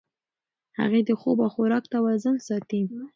هغې د خوب او خوراک توازن ساتي.